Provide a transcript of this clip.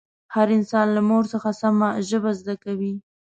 هر انسان له مور څخه سمه ژبه زده کوي